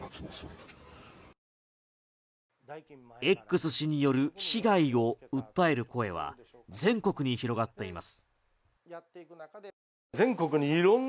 Ｘ氏による被害を訴える声は全国に広がっています。